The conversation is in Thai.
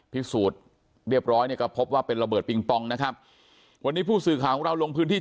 พิสูจน์เรียบร้อยเนี่ยก็พบว่าเป็นระเบิดปิงปองนะครับวันนี้ผู้สื่อข่าวของเราลงพื้นที่